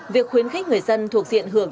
việc khuyến khích người dân thuộc diện hưởng